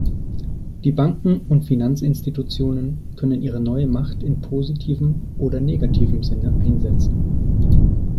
Die Banken und Finanzinstitutionen können ihre neue Macht in positivem oder negativem Sinne einsetzen.